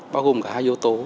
bao gồm cả hai yếu tố